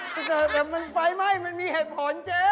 แต่มันไฺ่ไหม้มันมีเหตุผลเจ๊